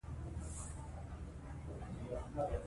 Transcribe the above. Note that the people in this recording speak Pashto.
د څېړنې پایلې د علمي ژورنال لخوا خپرې شوې.